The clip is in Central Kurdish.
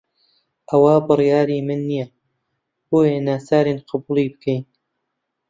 ئەوە بڕیاری من نییە، بۆیە ناچارین قبوڵی بکەین.